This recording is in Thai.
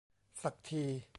สักที